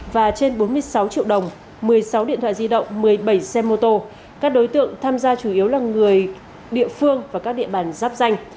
và trên bốn mươi sáu triệu đồng một mươi sáu điện thoại di động một mươi bảy xe mô tô các đối tượng tham gia chủ yếu là người địa phương và các địa bàn giáp danh